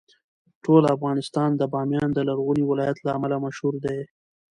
ټول افغانستان د بامیان د لرغوني ولایت له امله مشهور دی.